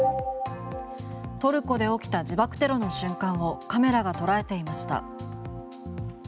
トルコで起きた自爆テロの瞬間をカメラが捉えていました。